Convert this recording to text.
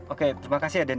oke terima kasih ya den